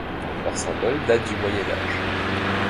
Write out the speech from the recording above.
Leur symbole datent du Moyen Âge.